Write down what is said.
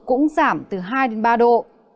mưa cũng giảm từ hai ba độ